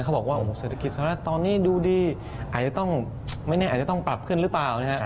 เขาบอกว่าเศรษฐกิจสำหรับตอนนี้ดูดีไม่แน่อาจจะต้องปรับขึ้นหรือเปล่า